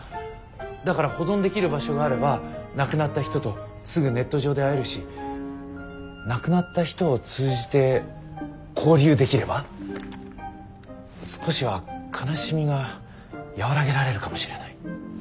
だから保存できる場所があれば亡くなった人とすぐネット上で会えるし亡くなった人を通じて交流できれば少しは悲しみが和らげられるかもしれない。